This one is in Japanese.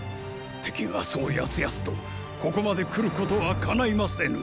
敵がそう易々とここまで来ることはかないませぬ！